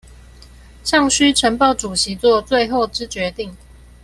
尚須呈報主席做最後之決定